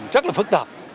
rất là phức tạp